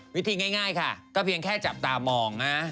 วิธีง่ายค่ะก็เพียงแค่จับตามองนะ